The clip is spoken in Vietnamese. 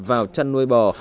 vào chăn nuôi bò